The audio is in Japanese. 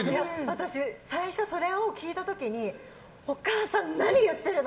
私、最初それを聞いた時にお母さん、何言ってるの？